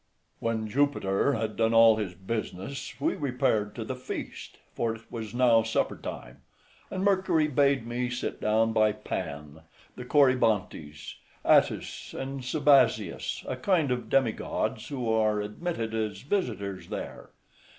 When Jupiter had done all his business we repaired to the feast, for it was now supper time, and Mercury bade me sit down by Pan, the Corybantes, Attis, and Sabazius, a kind of demi gods who are admitted as visitors there.